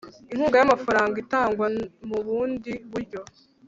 Inkunga y’amafaranga itangwa mu bundi buryo